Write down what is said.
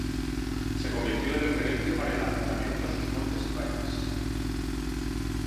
Se convirtió en referencia para el acercamiento a sus montes y valles.